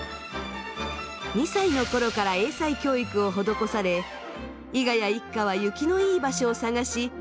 ２歳の頃から英才教育を施され猪谷一家は雪のいい場所を探し